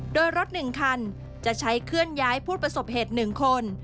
โดยรถ๑คันจะใช้เคลื่อนย้ายผู้ประสบเหตุ๑คน